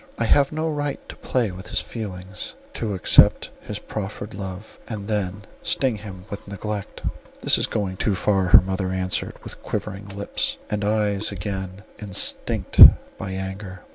I have no right to play with his feelings, to accept his proffered love, and then sting him with neglect." "This is going too far," her mother answered, with quivering lips, and eyes again instinct by anger.